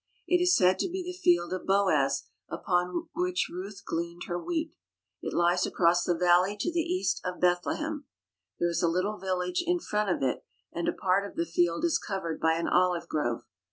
It is said to be the field of Boaz upon which Ruth gleaned her wheat. It lies across the valley to the east of Bethlehem. There is a little village in front of it, and a part of the field is covered by an olive grove.